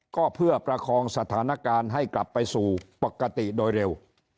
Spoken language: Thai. ก็เพื่อประคองสถานการณ์ให้กลับไปสู่ปกติโดยเร็ว